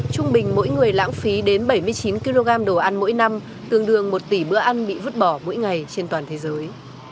trung bình mỗi người lãng phí đến bảy mươi chín kg đồ ăn mỗi năm tương đương một tỷ bữa ăn bị vứt bỏ mỗi ngày trên toàn thế giới